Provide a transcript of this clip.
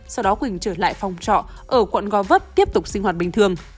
sau đó quỳnh trở lại phòng trọ ở quận gò vấp tiếp tục sinh hoạt bình thường